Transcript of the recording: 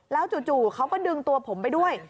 แล้วจู่เขาก็ดึงตัวผมไปด้วย